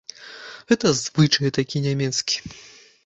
Гэта звычай такі нямецкі.